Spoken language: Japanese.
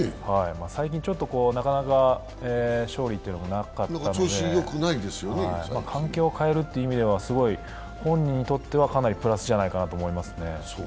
最近ちょっと勝利がなかったので環境を変得るという意味では本人にとってはすごいプラスじゃないかなと思いますね。